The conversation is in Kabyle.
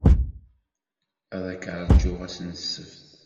Ad k-ṛjuɣ ass n ssebt.